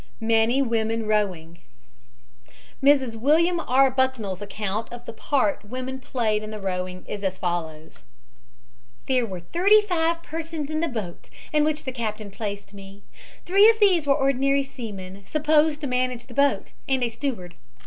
MANY WOMEN ROWING Mrs. William R. Bucknell's account of the part women played in the rowing is as follows: "There were thirty five persons in the boat in which the captain placed me. Three of these were ordinary seamen, supposed to manage the boat, and a steward.